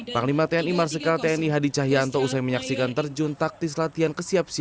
panglima tni marsikal tni hadi cahyanto usai menyaksikan terjun taktis latihan kesiapsiaan